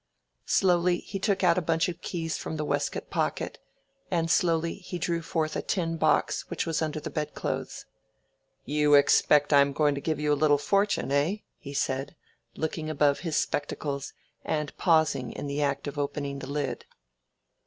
Slowly he took out a bunch of keys from the waistcoat pocket, and slowly he drew forth a tin box which was under the bed clothes. "You expect I am going to give you a little fortune, eh?" he said, looking above his spectacles and pausing in the act of opening the lid.